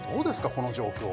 この状況